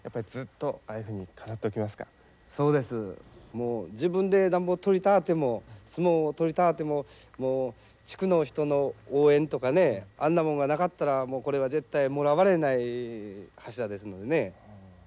もう自分でなんぼ取りたあても相撲を取りたあてももう地区の人の応援とかねあんなもんがなかったらこれは絶対もらわれない柱ですのでね。